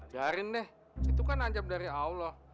ajarin deh itu kan ajab dari allah